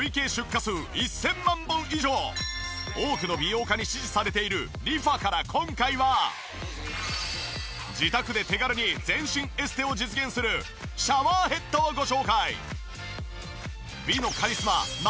多くの美容家に支持されているリファから今回は自宅で手軽に全身エステを実現するシャワーヘッドをご紹介！